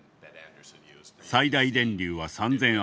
最大電流は３，０００アンペア。